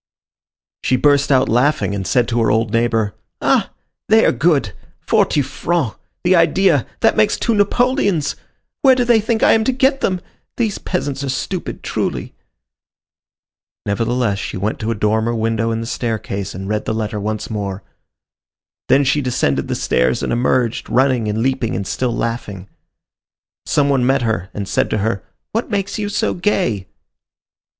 She burst out laughing, and said to her old neighbor: "Ah! they are good! Forty francs! the idea! That makes two napoleons! Where do they think I am to get them? These peasants are stupid, truly." Nevertheless she went to a dormer window in the staircase and read the letter once more. Then she descended the stairs and emerged, running and leaping and still laughing. Some one met her and said to her, "What makes you so gay?"